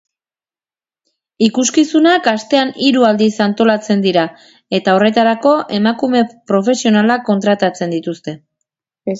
Ikuskizunak astean hiru aldiz antolatzen dira eta horretarako emakume profesionalak kontratatzen dituzte.